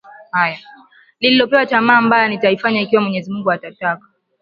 lililopewa Tamaa mbaya Nitaifanya ikiwa Mwenyezi Mungu anataka